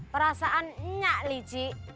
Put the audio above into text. perasaan nyiak li ji